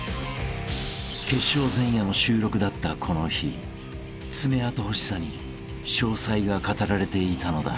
［決勝前夜の収録だったこの日爪痕欲しさに詳細が語られていたのだ］